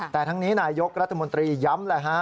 แต่ทั้งนี้นายยกรัฐมนตรีย้ำแหละฮะ